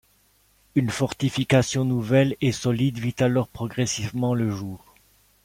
Une fortification nouvelle et solide vit alors progressivement le jour.